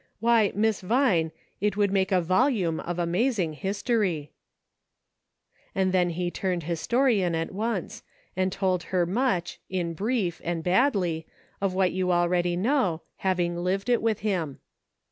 " Why, Miss Vine, it would make a vol ume of amazing history !" And then he turned historian at once, and told her much, in brief, and badly, of what you already know, having lived it with him.